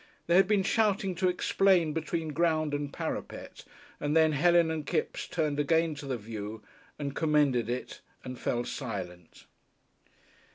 There had been shouting to explain between ground and parapet, and then Helen and Kipps turned again to the view, and commended it and fell silent.